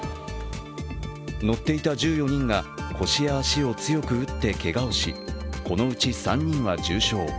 乗っていた１４人が腰や足を強く打ってけがをし、このうち３人は重傷。